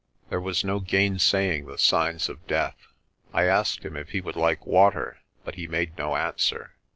There was no gainsaying the signs of death. I asked him if he would like water but he made no answer.